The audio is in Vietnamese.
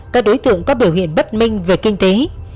các đối tượng có biểu hiện bất minh về kinh tế